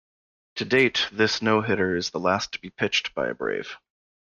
To date, this no-hitter is the last to be pitched by a Brave.